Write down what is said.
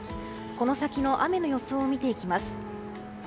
この先の雨の予想を見ていきます。